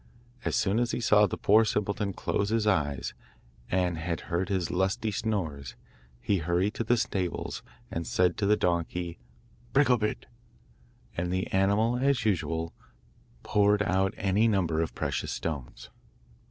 As soon as he saw the poor simpleton close his eyes and had heard his lusty snores, he hurried to the stables and said to the donkey 'Bricklebrit,' and the animal as usual poured out any number of precious stones.